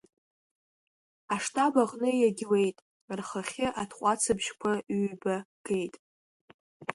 Аштаб аҟны иагьлеит, рхахьы атҟәацыбжьқәа ҩҩба геит.